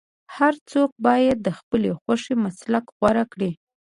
هر څوک باید د خپلې خوښې مسلک غوره کړي.